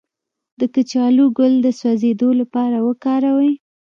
د کچالو ګل د سوځیدو لپاره وکاروئ